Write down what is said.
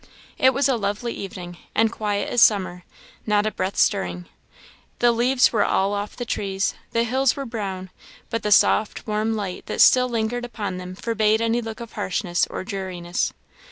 It was a lovely evening, and quiet as summer; not a breath stirring. The leaves were all off the trees; the hills were brown; but the soft, warm light that still lingered upon them forbade any look of harshness or dreariness.